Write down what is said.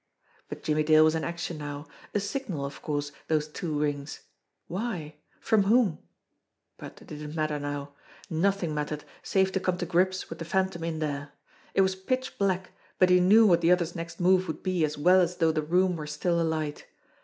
But Jimmie Dale was in action now. A signal, of course, those two rings ! Why ? From whom ? But it didn't mat ter now. Nothing mattered save to come to grips with the Phantom in there. It was pitch black, but he knew what the other's next move would be as well as though the room were still alight.